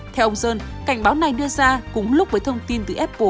theo ông sơn cảnh báo này đưa ra cùng lúc với thông tin từ apple